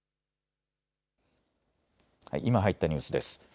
今、入ったニュースです。